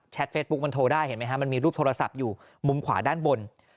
เฟซบุ๊กมันโทรได้เห็นไหมฮะมันมีรูปโทรศัพท์อยู่มุมขวาด้านบน